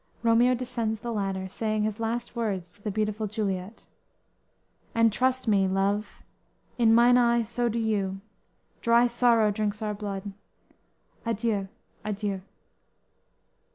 "_ Romeo descends the ladder, saying his last words to the beautiful Juliet: _"And trust me, love, in mine eye so do you, Dry sorrow drinks our blood. Adieu! Adieu!"